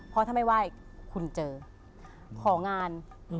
เพราะถ้าไม่ไหว้คุณเจอของาน